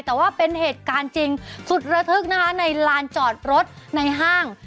แต่ว่าเป็นเหตุการณ์จริงสุดระทึกนะคะในลานจอดรถในห้าง